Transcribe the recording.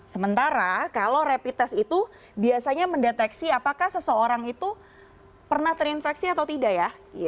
sementara kalau rapid test itu biasanya mendeteksi apakah seseorang itu pernah terinfeksi atau tidak ya